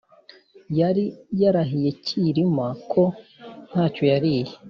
yari yarahiye cyirima ko nta cyo yariye.